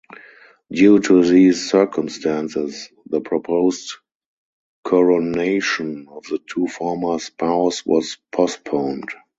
Due to these circumstances, the proposed coronation of the two former spouse was postponed.